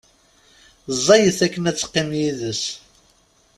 Ẓẓayet akken ad teqqim yid-s.